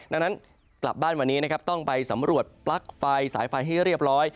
ดังนั้นกลับบ้านวันนี้นะครับต้องไปสำรวจปลั๊กไฟสายไฟให้เรียบร้อย